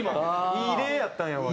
いい例やったんやわ今。